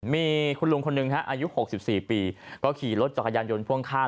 มีคุณลุงคนหนึ่งอายุ๖๔ปีก็ขี่รถจักรยานยนต์พ่วงข้าง